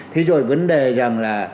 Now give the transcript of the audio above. thì rồi vấn đề rằng là